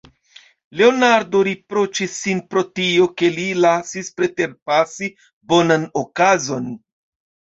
Leonardo riproĉis sin pro tio, ke li lasis preterpasi bonan okazon.